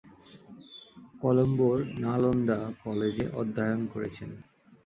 কলম্বোর নালন্দা কলেজে অধ্যয়ন করেছেন।